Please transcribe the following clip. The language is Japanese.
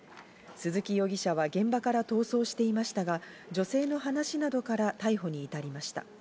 鈴木容疑者は現場から逃走していましたが、女性の話などから逮捕に至りました。